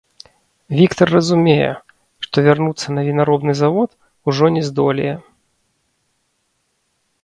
Віктар разумее, што вярнуцца на вінаробны завод ужо не здолее.